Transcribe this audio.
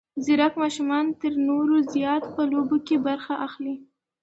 ځیرک ماشومان تر نورو زیات په لوبو کې برخه اخلي.